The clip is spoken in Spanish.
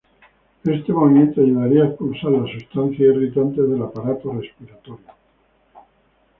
Este movimiento ayudaría a expulsar las sustancias irritantes del aparato respiratorio.